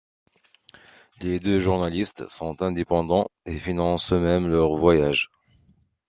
Les deux journalistes sont indépendants et financent eux-mêmes leurs voyages.